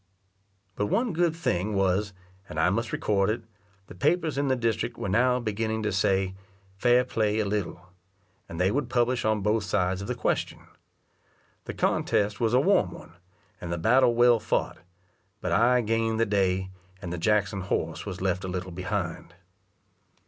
But one good thing was, and I must record it, the papers in the district were now beginning to say "fair play a little," and they would publish on both sides of the question. The contest was a warm one, and the battle well fought; but I gained the day, and the Jackson horse was left a little behind.